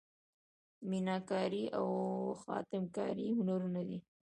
میناکاري او خاتم کاري هنرونه دي.